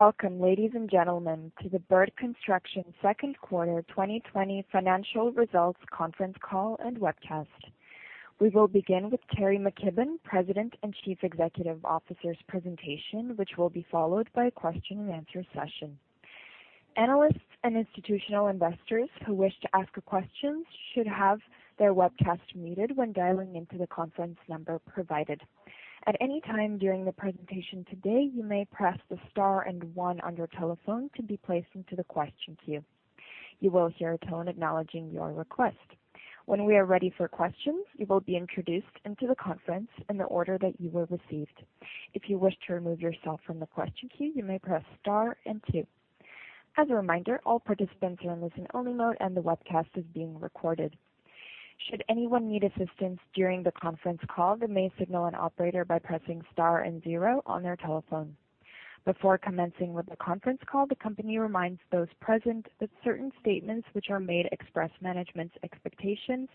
Welcome, ladies and gentlemen, to the Bird Construction second quarter 2020 financial results conference call and webcast. We will begin with Teri McKibbon, President and Chief Executive Officer's presentation, which will be followed by a question and answer session. Analysts and institutional investors who wish to ask a question should have their webcast muted when dialing into the conference number provided. At any time during the presentation today, you may press the star and one on your telephone to be placed into the question queue. You will hear a tone acknowledging your request. When we are ready for questions, you will be introduced into the conference in the order that you were received. If you wish to remove yourself from the question queue, you may press star and two. As a reminder, all participants are in listen-only mode and the webcast is being recorded. Should anyone need assistance during the conference call, they may signal an operator by pressing star and zero on their telephone. Before commencing with the conference call, the company reminds those present that certain statements which are made express management's expectations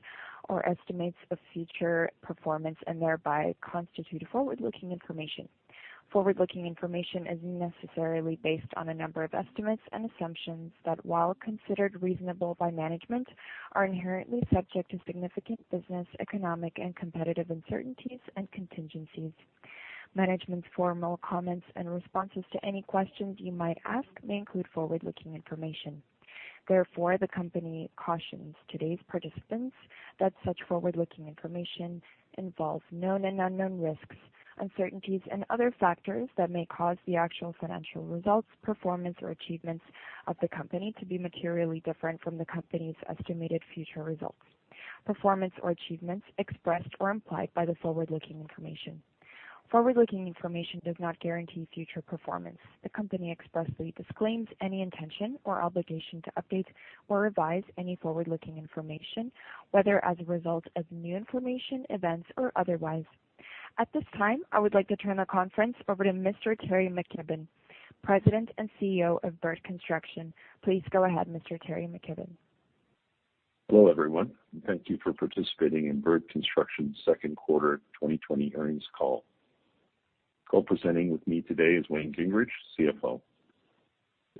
or estimates of future performance and thereby constitute forward-looking information. Forward-looking information is necessarily based on a number of estimates and assumptions that, while considered reasonable by management, are inherently subject to significant business, economic, and competitive uncertainties and contingencies. Management's formal comments and responses to any questions you might ask may include forward-looking information. Therefore, the company cautions today's participants that such forward-looking information involves known and unknown risks, uncertainties and other factors that may cause the actual financial results, performance, or achievements of the company to be materially different from the company's estimated future results, performance or achievements expressed or implied by the forward-looking information. Forward-looking information does not guarantee future performance. The company expressly disclaims any intention or obligation to update or revise any forward-looking information, whether as a result of new information, events, or otherwise. At this time, I would like to turn the conference over to Mr. Teri McKibbon, President and CEO of Bird Construction. Please go ahead, Mr. Teri McKibbon. Hello, everyone, and thank you for participating in Bird Construction's second quarter 2020 earnings call. Co-presenting with me today is Wayne Gingrich, CFO.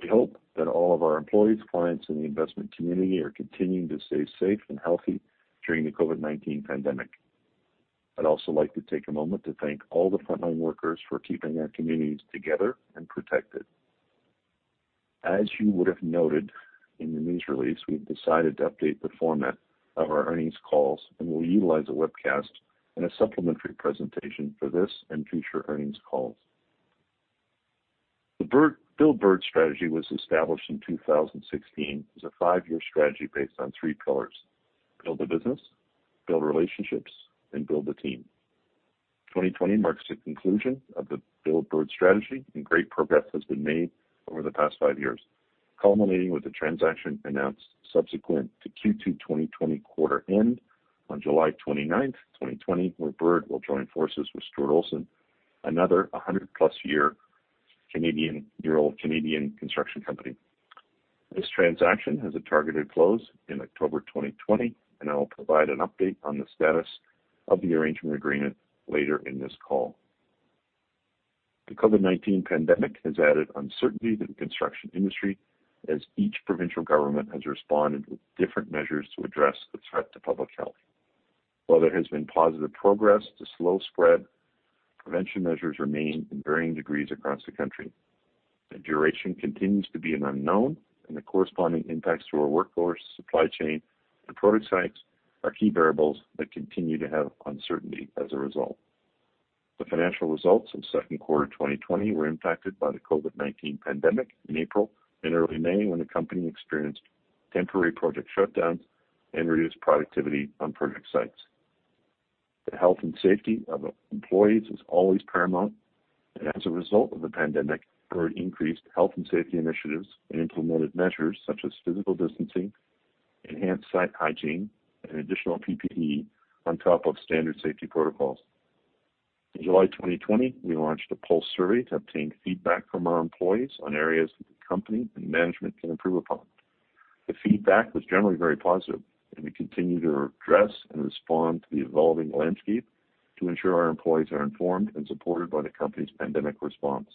We hope that all of our employees, clients, and the investment community are continuing to stay safe and healthy during the COVID-19 pandemic. I'd also like to take a moment to thank all the frontline workers for keeping our communities together and protected. As you would have noted in the news release, we've decided to update the format of our earnings calls, and we'll utilize a webcast and a supplementary presentation for this and future earnings calls. The Build Bird strategy was established in 2016 as a five-year strategy based on three pillars: build a business, build relationships, and build a team. 2020 marks the conclusion of the Build Bird strategy, and great progress has been made over the past five years, culminating with the transaction announced subsequent to Q2 2020 quarter end on July 29th, 2020, where Bird will join forces with Stuart Olson, another 100-plus-year-old Canadian construction company. This transaction has a targeted close in October 2020, and I will provide an update on the status of the arrangement agreement later in this call. The COVID-19 pandemic has added uncertainty to the construction industry as each provincial government has responded with different measures to address the threat to public health. While there has been positive progress to slow spread, prevention measures remain in varying degrees across the country. The duration continues to be an unknown, and the corresponding impacts to our workforce, supply chain, and project sites are key variables that continue to have uncertainty as a result. The financial results of second quarter 2020 were impacted by the COVID-19 pandemic in April and early May, when the company experienced temporary project shutdowns and reduced productivity on project sites. The health and safety of employees is always paramount, and as a result of the pandemic, Bird increased health and safety initiatives and implemented measures such as physical distancing, enhanced site hygiene, and additional PPE on top of standard safety protocols. In July 2020, we launched a pulse survey to obtain feedback from our employees on areas that the company and management can improve upon. The feedback was generally very positive, and we continue to address and respond to the evolving landscape to ensure our employees are informed and supported by the company's pandemic response.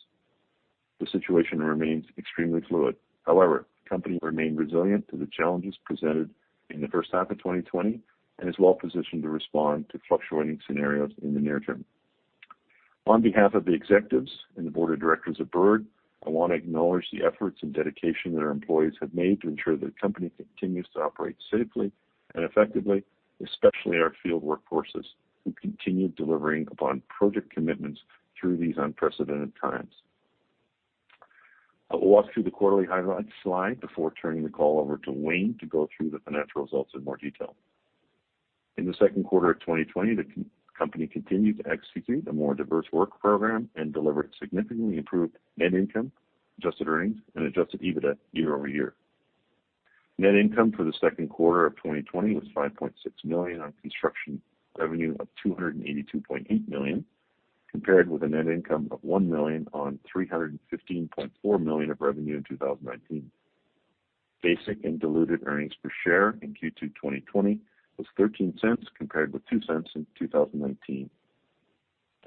The situation remains extremely fluid. However, the company remained resilient to the challenges presented in the first half of 2020 and is well positioned to respond to fluctuating scenarios in the near term. On behalf of the executives and the board of directors of Bird, I want to acknowledge the efforts and dedication that our employees have made to ensure that the company continues to operate safely and effectively, especially our field workforces, who continue delivering upon project commitments through these unprecedented times. I will walk through the quarterly highlights slide before turning the call over to Wayne to go through the financial results in more detail. In the second quarter of 2020, the company continued to execute a more diverse work program and delivered significantly improved net income, adjusted earnings, and adjusted EBITDA year-over-year. Net income for the second quarter of 2020 was 5.6 million on construction revenue of 282.8 million, compared with a net income of 1 million on 315.4 million of revenue in 2019. Basic and diluted earnings per share in Q2 2020 was 0.13, compared with 0.02 in 2019.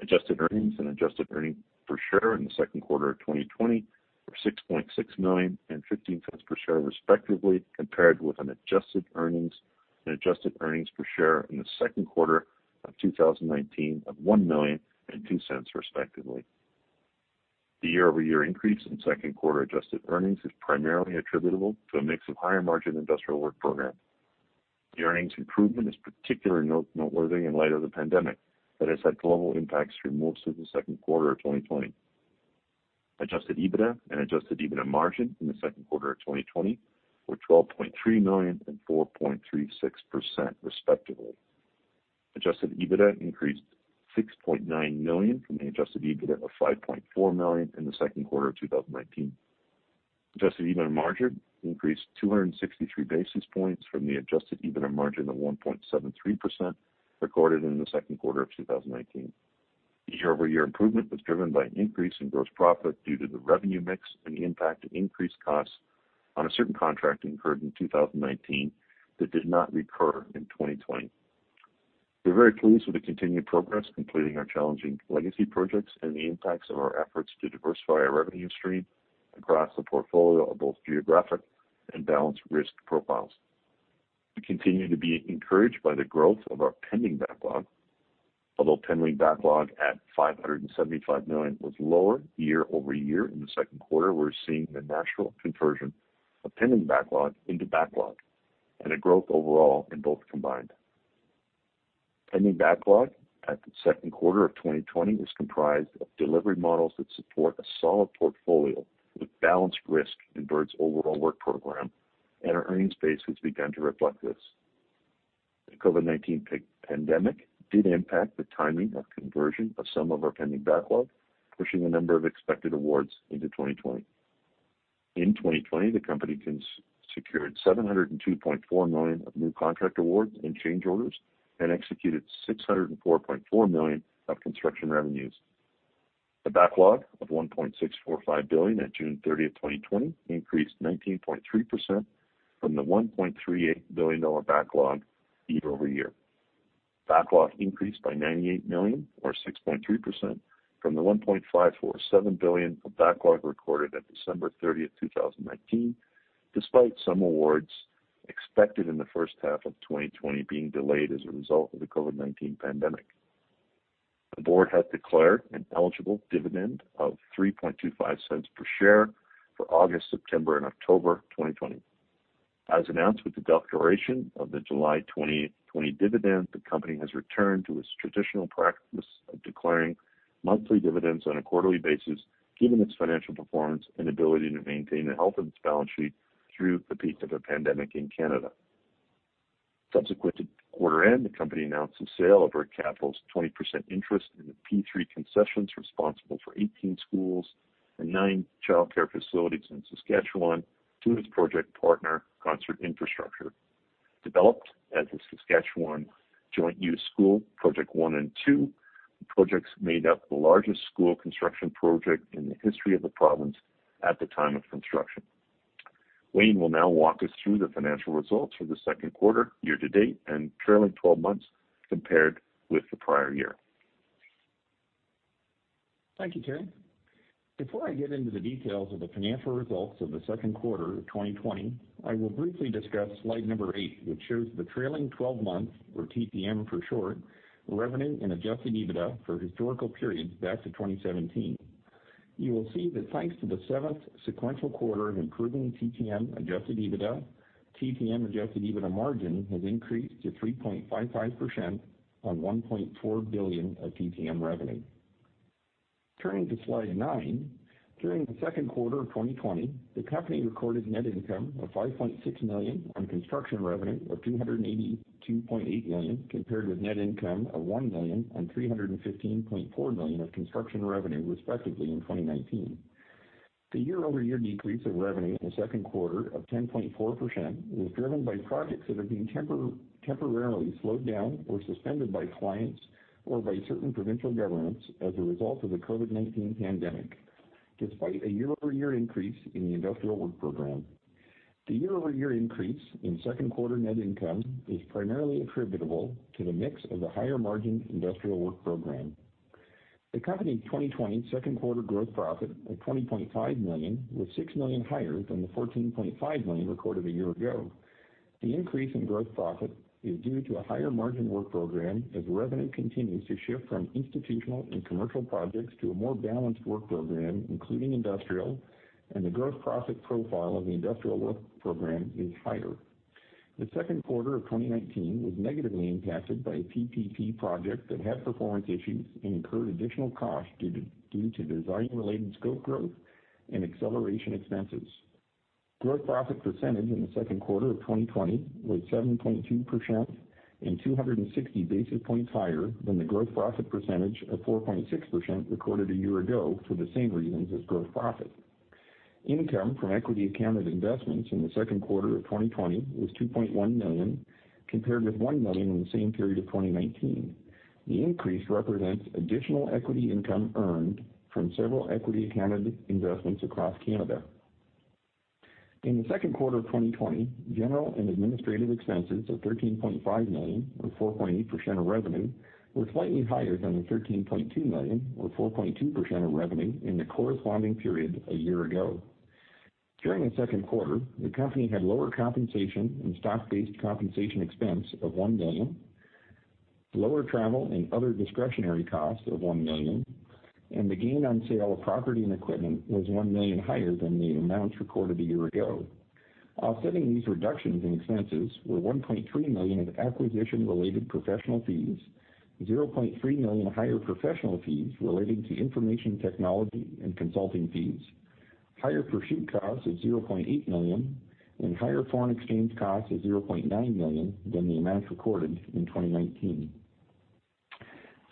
Adjusted earnings and adjusted earnings per share in the second quarter of 2020 were 6.6 million and 0.15 per share respectively, compared with an adjusted earnings and adjusted earnings per share in the second quarter of 2019 of 1 million and 0.02 respectively. The year-over-year increase in second quarter adjusted earnings is primarily attributable to a mix of higher margin industrial work program. The earnings improvement is particularly noteworthy in light of the pandemic that has had global impacts through most of the second quarter of 2020. Adjusted EBITDA and adjusted EBITDA margin in the second quarter of 2020 were 12.3 million and 4.36% respectively. Adjusted EBITDA increased 6.9 million from the adjusted EBITDA of 5.4 million in the second quarter of 2019. Adjusted EBITDA margin increased 263 basis points from the adjusted EBITDA margin of 1.73% recorded in the second quarter of 2019. Year-over-year improvement was driven by an increase in gross profit due to the revenue mix and the impact of increased costs on a certain contract incurred in 2019 that did not recur in 2020. We're very pleased with the continued progress completing our challenging legacy projects and the impacts of our efforts to diversify our revenue stream across a portfolio of both geographic and balanced risk profiles. We continue to be encouraged by the growth of our pending backlog. Although pending backlog at 575 million was lower year-over-year in the second quarter, we're seeing the natural conversion of pending backlog into backlog and a growth overall in both combined. Pending backlog at the second quarter of 2020 is comprised of delivery models that support a solid portfolio with balanced risk in Bird's overall work program, and our earnings base has begun to reflect this. The COVID-19 pandemic did impact the timing of conversion of some of our pending backlog, pushing a number of expected awards into 2020. In 2020, the company secured 702.4 million of new contract awards and change orders and executed 604.4 million of construction revenues. The backlog of 1.645 billion at June 30, 2020, increased 19.3% from the 1.38 billion dollar backlog year-over-year. Backlog increased by 98 million, or 6.3%, from the 1.547 billion of backlog recorded at December 30, 2019, despite some awards expected in the first half of 2020 being delayed as a result of the COVID-19 pandemic. The board has declared an eligible dividend of 0.0325 per share for August, September, and October 2020. As announced with the declaration of the July 2020 dividend, the company has returned to its traditional practice of declaring monthly dividends on a quarterly basis, given its financial performance and ability to maintain the health of its balance sheet through the peak of the pandemic in Canada. Subsequent to quarter end, the company announced the sale of Bird Capital's 20% interest in the P3 concessions responsible for 18 schools and nine childcare facilities in Saskatchewan to its project partner, Concert Infrastructure. Developed as the Saskatchewan Joint-Use School Project 1 and 2, the projects made up the largest school construction project in the history of the province at the time of construction. Wayne will now walk us through the financial results for the second quarter year-to-date and trailing 12 months compared with the prior year. Thank you, Teri. Before I get into the details of the financial results of the second quarter of 2020, I will briefly discuss slide eight, which shows the trailing 12-month, or TTM for short, revenue and adjusted EBITDA for historical periods back to 2017. You will see that thanks to the seventh sequential quarter of improving TTM adjusted EBITDA, TTM adjusted EBITDA margin has increased to 3.55% on 1.4 billion of TTM revenue. Turning to slide nine, during the second quarter of 2020, the company recorded net income of 5.6 million on construction revenue of 282.8 million, compared with net income of 1 million on 315.4 million of construction revenue, respectively in 2019. The year-over-year decrease of revenue in the second quarter of 10.4% was driven by projects that are being temporarily slowed down or suspended by clients or by certain provincial governments as a result of the COVID-19 pandemic, despite a year-over-year increase in the industrial work program. The year-over-year increase in second quarter net income is primarily attributable to the mix of the higher margin industrial work program. The company's 2020 second quarter gross profit of 20.5 million was 6 million higher than the 14.5 million recorded a year ago. The increase in gross profit is due to a higher margin work program as revenue continues to shift from institutional and commercial projects to a more balanced work program, including industrial, and the gross profit profile of the industrial work program is higher. The second quarter of 2019 was negatively impacted by a PPP project that had performance issues and incurred additional costs due to design-related scope growth and acceleration expenses. Gross profit percentage in the second quarter of 2020 was 7.2% and 260 basis points higher than the gross profit percentage of 4.6% recorded a year ago for the same reasons as gross profit. Income from equity accounted investments in the second quarter of 2020 was 2.1 million, compared with 1 million in the same period of 2019. The increase represents additional equity income earned from several equity accounted investments across Canada. In the second quarter of 2020, general and administrative expenses of 13.5 million, or 4.8% of revenue, were slightly higher than the 13.2 million, or 4.2% of revenue, in the corresponding period a year ago. During the second quarter, the company had lower compensation and stock-based compensation expense of 1 million, lower travel and other discretionary costs of 1 million, and the gain on sale of property and equipment was 1 million higher than the amounts recorded a year ago. Offsetting these reductions in expenses were 1.3 million of acquisition-related professional fees, 0.3 million higher professional fees relating to information technology and consulting fees, higher pursuit costs of 0.8 million, and higher foreign exchange costs of 0.9 million than the amounts recorded in 2019.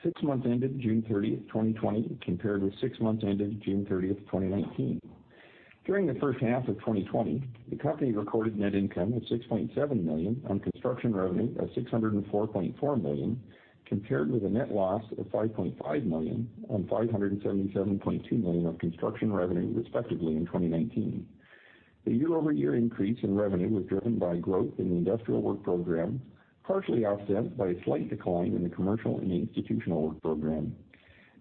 Six months ended June 30, 2020, compared with six months ended June 30, 2019. During the first half of 2020, the company recorded net income of 6.7 million on construction revenue of 604.4 million, compared with a net loss of 5.5 million on 577.2 million of construction revenue, respectively, in 2019. The year-over-year increase in revenue was driven by growth in the industrial work program, partially offset by a slight decline in the commercial and institutional work program.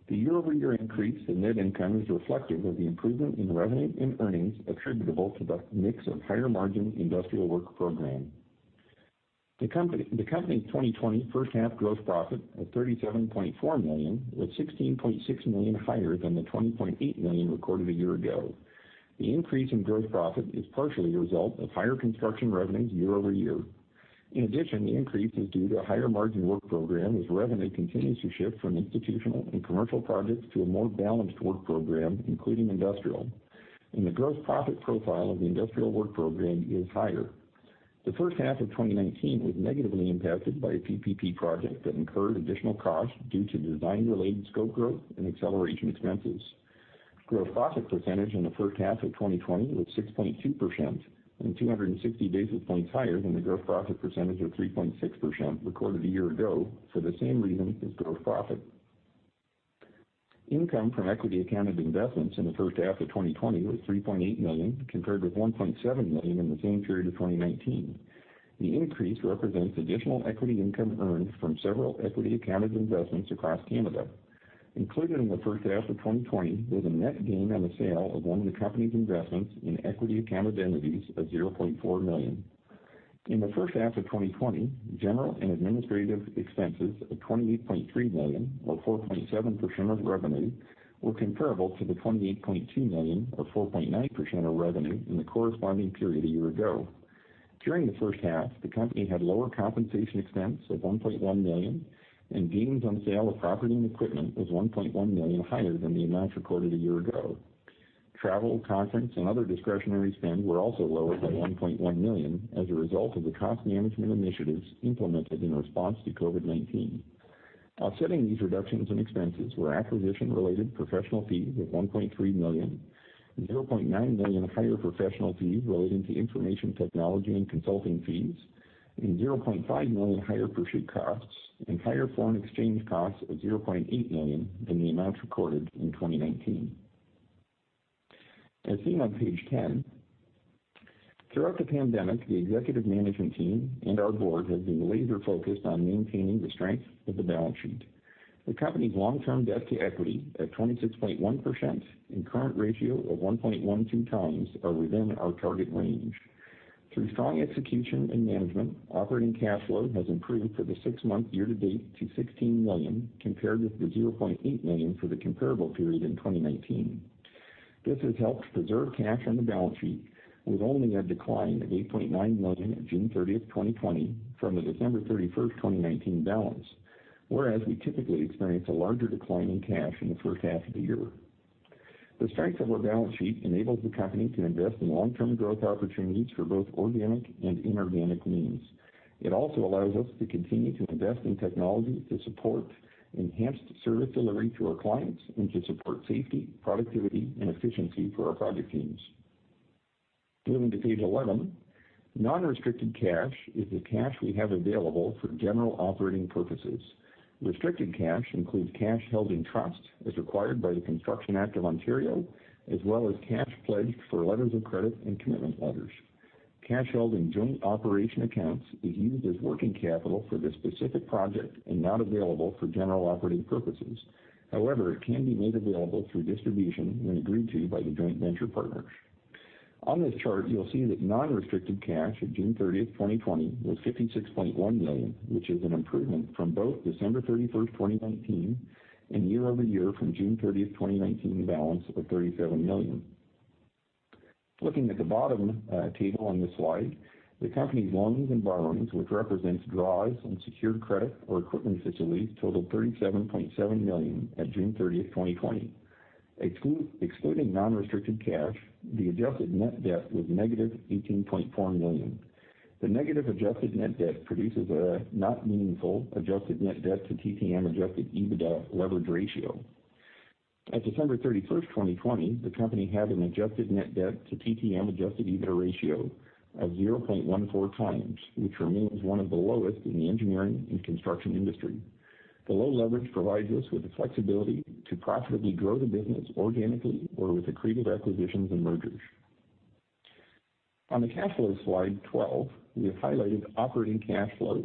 The year-over-year increase in net income is reflective of the improvement in revenue and earnings attributable to the mix of higher margin industrial work program. The company's 2020 first half gross profit of 37.4 million was 16.6 million higher than the 20.8 million recorded a year ago. The increase in gross profit is partially a result of higher construction revenues year-over-year. The increase is due to a higher margin work program as revenue continues to shift from institutional and commercial projects to a more balanced work program, including industrial, and the gross profit profile of the industrial work program is higher. The first half of 2019 was negatively impacted by a PPP project that incurred additional costs due to design-related scope growth and acceleration expenses. Gross profit percentage in the first half of 2020 was 6.2%, 260 basis points higher than the gross profit percentage of 3.6% recorded a year ago for the same reason as gross profit. Income from equity accounted investments in the first half of 2020 was 3.8 million, compared with 1.7 million in the same period of 2019. The increase represents additional equity income earned from several equity accounted investments across Canada. Included in the first half of 2020 was a net gain on the sale of one of the company's investments in equity accounted entities of 0.4 million. In the first half of 2020, general and administrative expenses of 28.3 million, or 4.7% of revenue, were comparable to the 28.2 million, or 4.9% of revenue, in the corresponding period a year ago. During the first half, the company had lower compensation expense of 1.1 million and gains on sale of property and equipment was 1.1 million higher than the amounts recorded a year ago. Travel, conference, and other discretionary spend were also lower by 1.1 million as a result of the cost management initiatives implemented in response to COVID-19. Offsetting these reductions in expenses were acquisition-related professional fees of 1.3 million, 0.9 million higher professional fees relating to information technology and consulting fees, and 0.5 million higher pursuit costs, and higher foreign exchange costs of 0.8 million than the amounts recorded in 2019. As seen on page 10, throughout the pandemic, the executive management team and our board have been laser-focused on maintaining the strength of the balance sheet. The company's long-term debt to equity at 26.1% and current ratio of 1.12x are within our target range. Through strong execution and management, operating cash flow has improved for the six-month year-to-date to 16 million, compared with the 0.8 million for the comparable period in 2019. This has helped preserve cash on the balance sheet, with only a decline of 8.9 million at June 30th, 2020, from the December 31st, 2019 balance. Whereas we typically experience a larger decline in cash in the first half of the year. The strength of our balance sheet enables the company to invest in long-term growth opportunities for both organic and inorganic means. It also allows us to continue to invest in technology to support enhanced service delivery to our clients and to support safety, productivity, and efficiency for our project teams. Moving to page 11. Non-restricted cash is the cash we have available for general operating purposes. Restricted cash includes cash held in trust as required by the Construction Act of Ontario, as well as cash pledged for letters of credit and commitment letters. Cash held in joint operation accounts is used as working capital for the specific project and not available for general operating purposes. However, it can be made available through distribution when agreed to by the joint venture partners. On this chart, you'll see that non-restricted cash at June 30th, 2020, was 56.1 million, which is an improvement from both December 31st, 2019, and year-over-year from June 30th, 2019 balance of 37 million. Looking at the bottom table on this slide, the company's loans and borrowings, which represents draws on secured credit or equipment facilities, totaled 37.7 million at June 30, 2020. Excluding non-restricted cash, the adjusted net debt was negative 18.4 million. The negative adjusted net debt produces a not meaningful adjusted net debt to TTM adjusted EBITDA leverage ratio. At December 31, 2020, the company had an adjusted net debt to TTM adjusted EBITDA ratio of 0.14x, which remains one of the lowest in the engineering and construction industry. The low leverage provides us with the flexibility to profitably grow the business organically or with accretive acquisitions and mergers. On the cash flow slide 12, we have highlighted operating cash flow,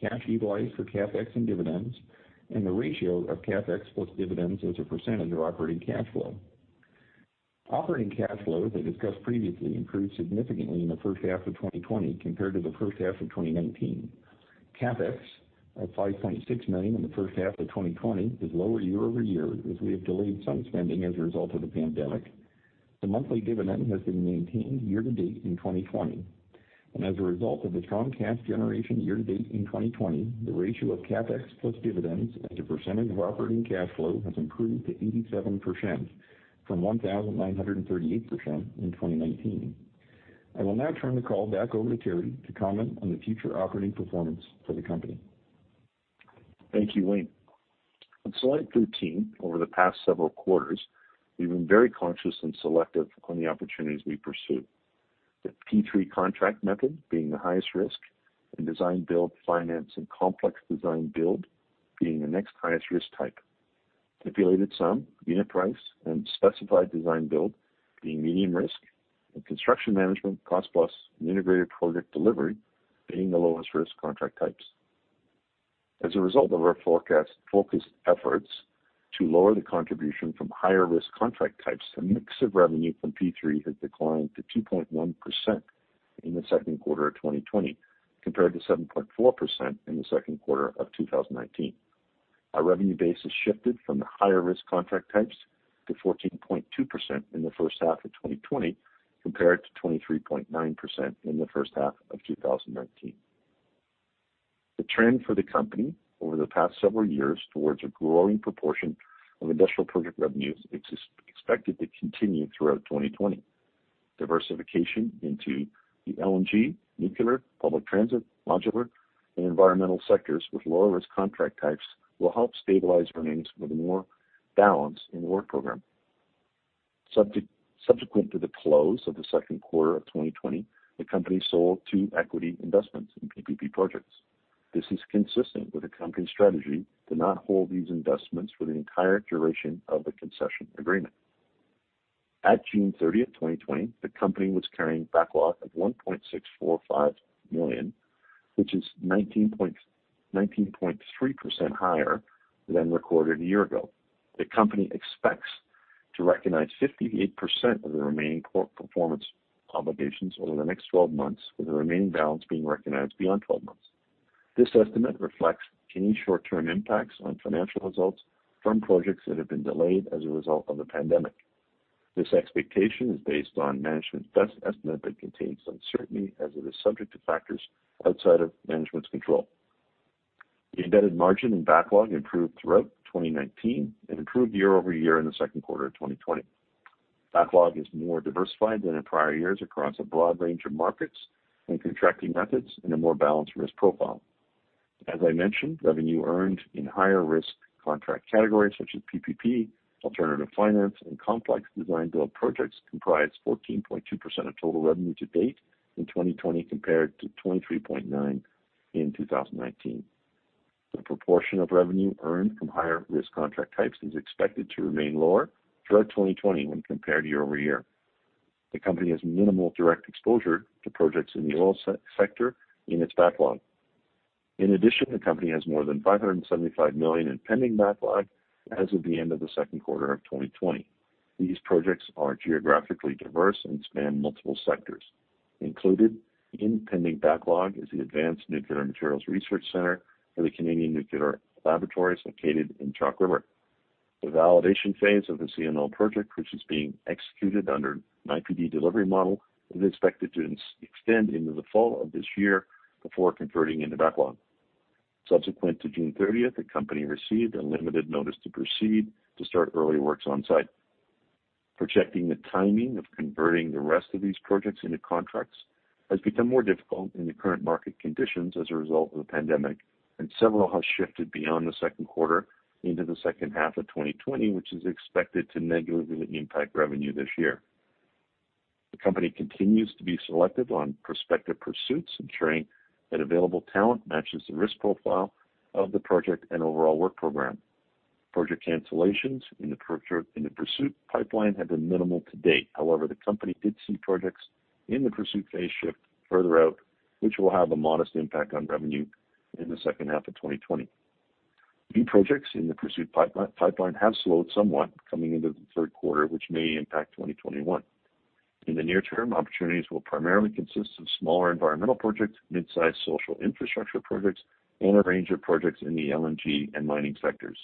cash utilized for CapEx and dividends, and the ratio of CapEx plus dividends as a percentage of operating cash flow. Operating cash flow, as I discussed previously, improved significantly in the first half of 2020 compared to the first half of 2019. CapEx, at 5.6 million in the first half of 2020, is lower year-over-year as we have delayed some spending as a result of the pandemic. The monthly dividend has been maintained year-to-date in 2020. As a result of the strong cash generation year-to-date in 2020, the ratio of CapEx plus dividends as a percentage of operating cash flow has improved to 87% from 1,938% in 2019. I will now turn the call back over to Teri to comment on the future operating performance for the company. Thank you, Wayne. On slide 13, over the past several quarters, we've been very conscious and selective on the opportunities we pursue. The P3 contract method being the highest risk, and design build, finance, and complex design build being the next highest risk type. Lump sum, unit price, and specified design build being medium risk, and construction management, cost plus, and integrated project delivery being the lowest risk contract types. As a result of our focused efforts to lower the contribution from higher risk contract types, the mix of revenue from P3 has declined to 2.1% in the second quarter of 2020 compared to 7.4% in the second quarter of 2019. Our revenue base has shifted from the higher risk contract types to 14.2% in the first half of 2020 compared to 23.9% in the first half of 2019. The trend for the company over the past several years towards a growing proportion of industrial project revenues is expected to continue throughout 2020. Diversification into the LNG, nuclear, public transit, modular, and environmental sectors with lower risk contract types will help stabilize earnings with a more balanced work program. Subsequent to the close of the second quarter of 2020, the company sold two equity investments in PPP projects. This is consistent with the company's strategy to not hold these investments for the entire duration of the concession agreement. At June 30th, 2020, the company was carrying backlog of 1.645 billion, which is 19.3% higher than recorded a year ago. The company expects to recognize 58% of the remaining performance obligations over the next 12 months, with the remaining balance being recognized beyond 12 months. This estimate reflects any short-term impacts on financial results from projects that have been delayed as a result of the pandemic. This expectation is based on management's best estimate but contains uncertainty as it is subject to factors outside of management's control. The embedded margin in backlog improved throughout 2019 and improved year-over-year in the second quarter of 2020. Backlog is more diversified than in prior years across a broad range of markets and contracting methods in a more balanced risk profile. As I mentioned, revenue earned in higher risk contract categories such as PPP, alternative finance, and complex design build projects comprised 14.2% of total revenue to date in 2020 compared to 23.9% in 2019. The proportion of revenue earned from higher risk contract types is expected to remain lower throughout 2020 when compared year-over-year. The company has minimal direct exposure to projects in the oil sector in its backlog. In addition, the company has more than 575 million in pending backlog as of the end of the second quarter of 2020. These projects are geographically diverse and span multiple sectors. Included in pending backlog is the Advanced Nuclear Materials Research Centre for the Canadian Nuclear Laboratories located in Chalk River. The validation phase of the CNL project, which is being executed under an IPD delivery model, is expected to extend into the fall of this year before converting into backlog. Subsequent to June 30th, the company received a limited notice to proceed to start early works on site. Projecting the timing of converting the rest of these projects into contracts has become more difficult in the current market conditions as a result of the pandemic, and several have shifted beyond the second quarter into the second half of 2020, which is expected to negatively impact revenue this year. The company continues to be selective on prospective pursuits, ensuring that available talent matches the risk profile of the project and overall work program. Project cancellations in the pursuit pipeline have been minimal to date. However, the company did see projects in the pursuit phase shift further out, which will have a modest impact on revenue in the second half of 2020. New projects in the pursuit pipeline have slowed somewhat coming into the third quarter, which may impact 2021. In the near term, opportunities will primarily consist of smaller environmental projects, midsize social infrastructure projects, and a range of projects in the LNG and mining sectors.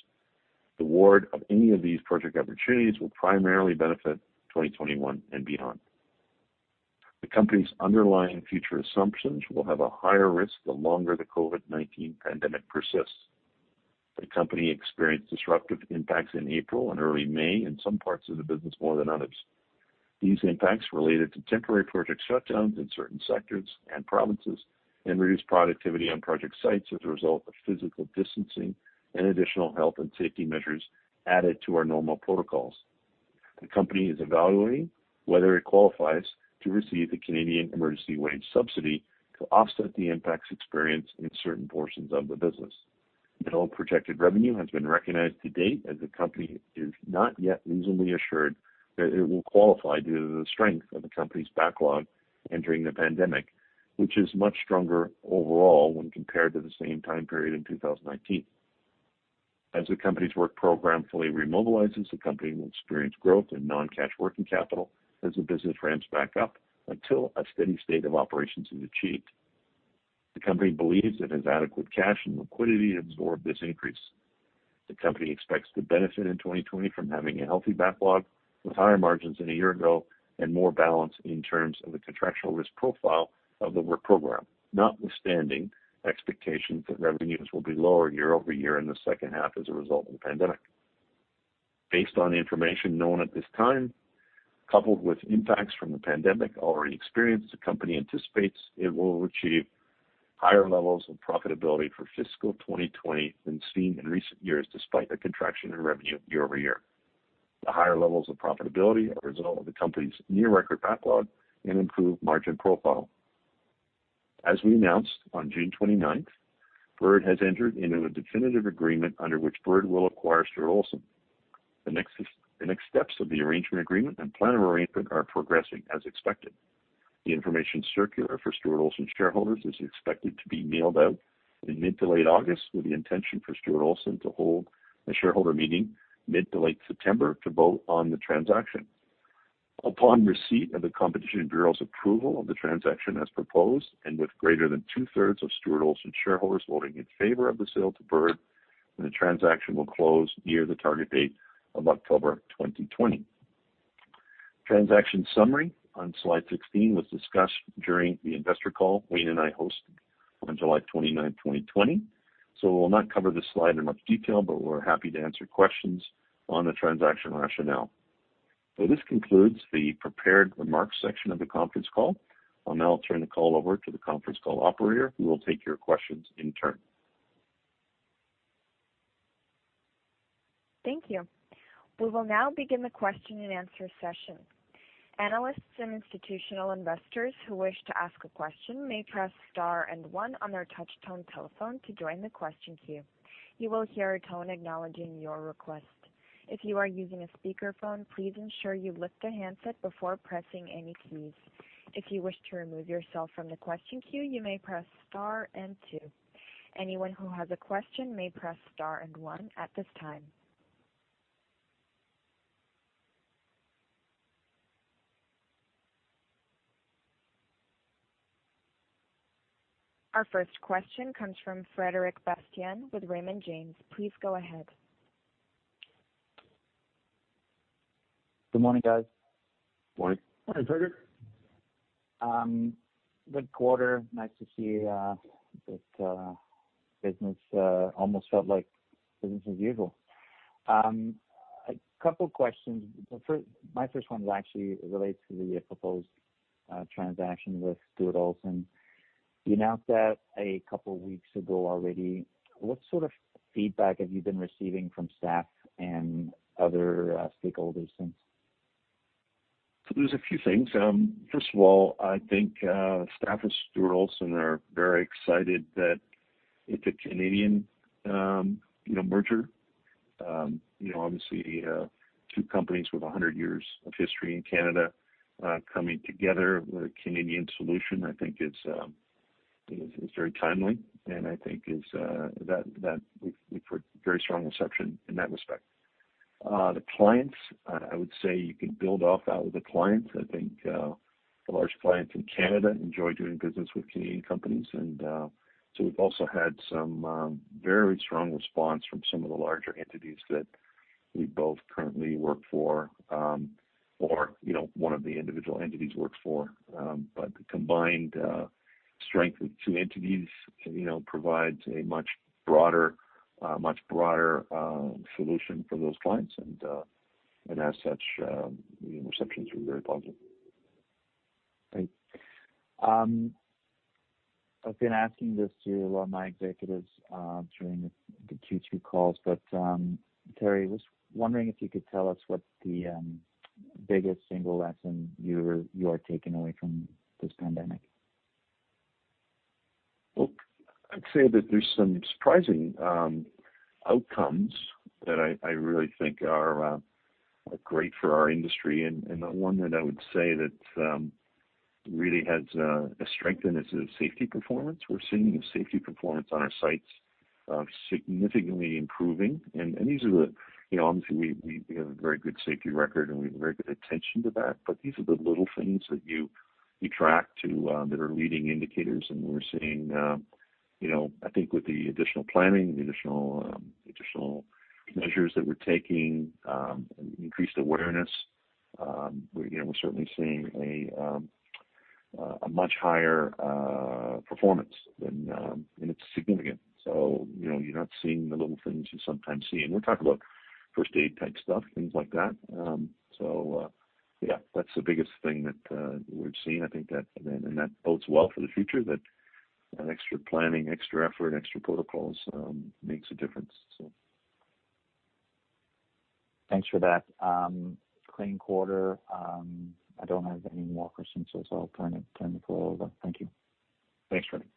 The award of any of these project opportunities will primarily benefit 2021 and beyond. The company's underlying future assumptions will have a higher risk the longer the COVID-19 pandemic persists. The company experienced disruptive impacts in April and early May in some parts of the business more than others. These impacts related to temporary project shutdowns in certain sectors and provinces and reduced productivity on project sites as a result of physical distancing and additional health and safety measures added to our normal protocols. The company is evaluating whether it qualifies to receive the Canada Emergency Wage Subsidy to offset the impacts experienced in certain portions of the business. No projected revenue has been recognized to date as the company is not yet reasonably assured that it will qualify due to the strength of the company's backlog entering the pandemic, which is much stronger overall when compared to the same time period in 2019. As the company's work program fully remobilizes, the company will experience growth in non-cash working capital as the business ramps back up until a steady state of operations is achieved. The company believes it has adequate cash and liquidity to absorb this increase. The company expects to benefit in 2020 from having a healthy backlog with higher margins than a year ago and more balance in terms of the contractual risk profile of the work program, notwithstanding expectations that revenues will be lower year-over-year in the second half as a result of the pandemic. Based on the information known at this time, coupled with impacts from the pandemic already experienced, the company anticipates it will achieve higher levels of profitability for fiscal 2020 than seen in recent years, despite a contraction in revenue year-over-year. The higher levels of profitability are a result of the company's near record backlog and improved margin profile. As we announced on June 29th, Bird has entered into a definitive agreement under which Bird will acquire Stuart Olson. The next steps of the arrangement agreement and plan of arrangement are progressing as expected. The information circular for Stuart Olson shareholders is expected to be mailed out in mid to late August, with the intention for Stuart Olson to hold a shareholder meeting mid to late September to vote on the transaction. Upon receipt of the Competition Bureau's approval of the transaction as proposed, and with greater than two-thirds of Stuart Olson shareholders voting in favor of the sale to Bird, the transaction will close near the target date of October 2020. Transaction summary on slide 16 was discussed during the investor call Wayne and I hosted on July 29, 2020. We'll not cover this slide in much detail, but we're happy to answer questions on the transaction rationale. This concludes the prepared remarks section of the conference call. I'll now turn the call over to the conference call operator, who will take your questions in turn. Thank you. We will now begin the question and answer session. Analysts and institutional investors who wish to ask a question may press star and one on their touchtone telephone to join the question queue. You will hear a tone acknowledging your request. If you are using a speakerphone, please ensure you lift the handset before pressing any keys. If you wish to remove yourself from the question queue, you may press star and two. Anyone who has a question may press star and one at this time. Our first question comes from Frederic Bastien with Raymond James. Please go ahead. Good morning, guys. Morning. Morning, Frederic. Good quarter. Nice to see that business almost felt like business as usual. A couple questions. My first one actually relates to the proposed transaction with Stuart Olson. You announced that a couple weeks ago already. What sort of feedback have you been receiving from staff and other stakeholders since? There's a few things. First of all, I think staff of Stuart Olson are very excited that it's a Canadian merger. Obviously, two companies with 100 years of history in Canada coming together with a Canadian solution, I think is very timely, and I think we've heard very strong reception in that respect. The clients, I would say you could build off that with the clients. I think the large clients in Canada enjoy doing business with Canadian companies, we've also had some very strong response from some of the larger entities that we both currently work for or one of the individual entities works for. The combined strength of two entities provides a much broader solution for those clients, and as such, the reception's been very positive. Great. I've been asking this to a lot of my executives during the Q2 calls, but Teri, I was wondering if you could tell us what's the biggest single lesson you are taking away from this pandemic? Well, I'd say that there's some surprising outcomes that I really think are great for our industry, and the one that I would say that really has a strength in it is safety performance. We're seeing the safety performance on our sites significantly improving, and obviously, we have a very good safety record, and we have very good attention to that, but these are the little things that you track to that are leading indicators, and we're seeing, I think with the additional planning, the additional measures that we're taking, increased awareness, we're certainly seeing a much higher performance, and it's significant. You're not seeing the little things you sometimes see, and we're talking about first aid type stuff, things like that. Yeah, that's the biggest thing that we've seen. I think that bodes well for the future, that extra planning, extra effort, extra protocols makes a difference. Thanks for that. Clean quarter. I don't have any more questions, so I'll turn the call over. Thank you. Thanks, Frederic.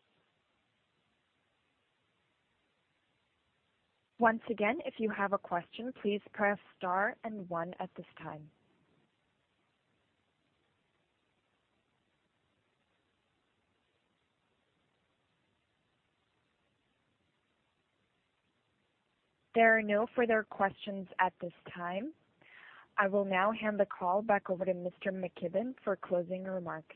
Once again, if you have a question, please press star and one at this time. There are no further questions at this time. I will now hand the call back over to Mr. McKibbon for closing remarks.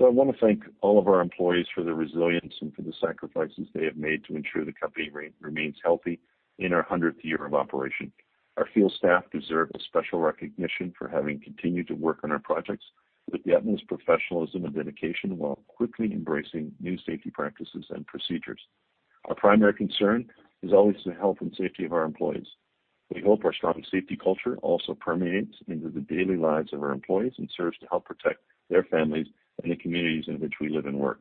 I want to thank all of our employees for their resilience and for the sacrifices they have made to ensure the company remains healthy in our 100th year of operation. Our field staff deserve a special recognition for having continued to work on our projects with the utmost professionalism and dedication while quickly embracing new safety practices and procedures. Our primary concern is always the health and safety of our employees. We hope our strong safety culture also permeates into the daily lives of our employees and serves to help protect their families and the communities in which we live and work.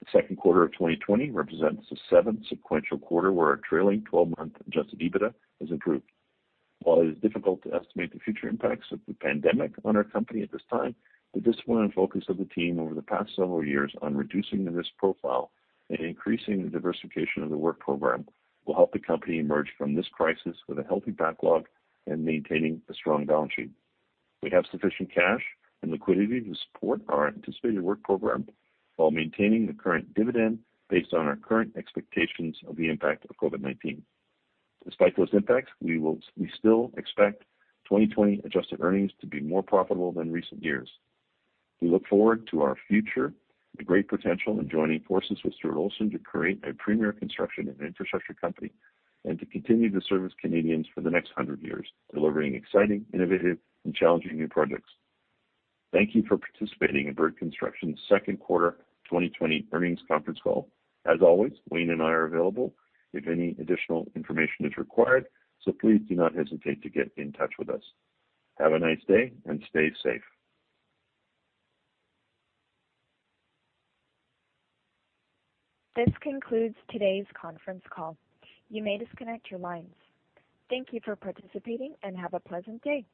The second quarter of 2020 represents the seventh sequential quarter where our trailing 12-month adjusted EBITDA has improved. While it is difficult to estimate the future impacts of the pandemic on our company at this time, the discipline and focus of the team over the past several years on reducing the risk profile and increasing the diversification of the work program will help the company emerge from this crisis with a healthy backlog and maintaining a strong balance sheet. We have sufficient cash and liquidity to support our anticipated work program while maintaining the current dividend based on our current expectations of the impact of COVID-19. Despite those impacts, we still expect 2020 adjusted earnings to be more profitable than recent years. We look forward to our future, the great potential in joining forces with Stuart Olson to create a premier construction and infrastructure company, and to continue to service Canadians for the next 100 years, delivering exciting, innovative, and challenging new projects. Thank you for participating in Bird Construction's second quarter 2020 earnings conference call. As always, Wayne and I are available if any additional information is required. Please do not hesitate to get in touch with us. Have a nice day and stay safe. This concludes today's conference call. You may disconnect your lines. Thank you for participating and have a pleasant day.